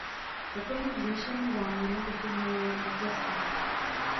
Takovým vznešeným záměrům bychom měli zatleskat.